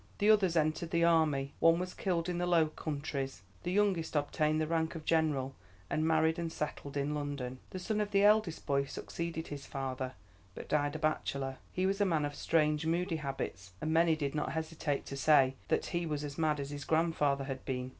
The others entered the army; one was killed in the Low Countries, the youngest obtained the rank of general and married and settled in London. The son of the eldest boy succeeded his father, but died a bachelor. He was a man of strange, moody habits, and many did not hesitate to say that he was as mad as his grandfather had been.